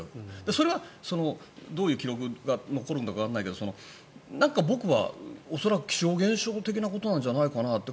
それはどういう記録が残るのかわからないけど僕は恐らく気象現象的なことじゃないかなと。